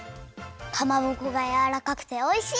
かまぼこがやわらかくておいしい！